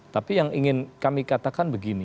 tapi yang ingin kami katakan begini